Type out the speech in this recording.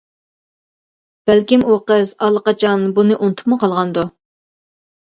بەلكىم ئۇ قىز ئاللىقاچان بۇنى ئۇنتۇپمۇ قالغاندۇ.